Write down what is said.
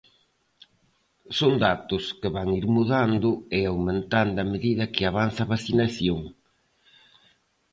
Son datos que van ir mudando e aumentado a medida que avance a vacinación.